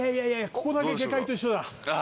ここだけ下界と一緒だ。